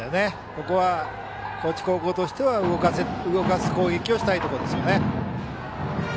ここは高知高校としては動かす攻撃をしたいところ。